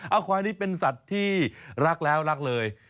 เอาควายนี้เป็นสัตว์ที่รักแล้วรักเลย